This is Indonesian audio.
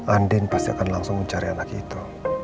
andin pasti akan langsung mencari anak itu